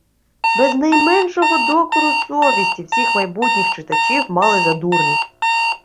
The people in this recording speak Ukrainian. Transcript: Без найменшого докору совісті всіх майбутніх читачів мали за дурнів